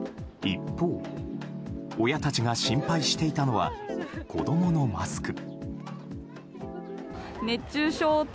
一方、親たちが心配していたのは子供のマスク。